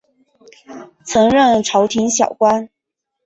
曾任朝廷小官。